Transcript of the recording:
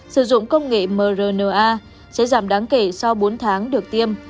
sử dụng công nghệ mrna sẽ giảm đáng kể sau bốn tháng được tiêm